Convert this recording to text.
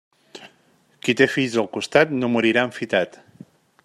Qui té fills al costat no morirà enfitat.